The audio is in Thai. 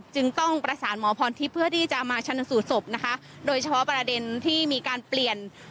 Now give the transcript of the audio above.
จึงต้องประสานหมอพรทิพย์เพื่อที่จะมาชนสูตรศพนะคะโดยเฉพาะประเด็นที่มีการเปลี่ยน